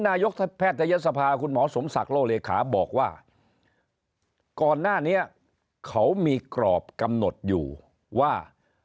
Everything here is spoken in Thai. นายกแพทยศภาคุณหมอสมศักดิ์โลเลขาบอกว่าก่อนหน้านี้เขามีกรอบกำหนดอยู่ว่า